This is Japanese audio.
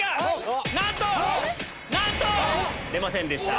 なんと‼出ませんでした。